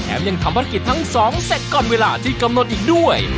ยังทำภารกิจทั้งสองเสร็จก่อนเวลาที่กำหนดอีกด้วย